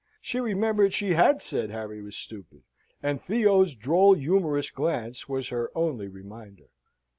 She remembered she had said Harry was stupid, and Theo's droll humorous glance was her only reminder.